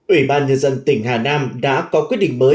ủy ban nhân dân tỉnh hà nam đã có quyết định mới